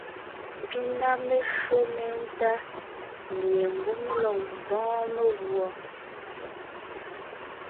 Pi ná meshÿó méntá mie ngwɔ́ mé lɔg ḿbɔ́ɔn meguɔ.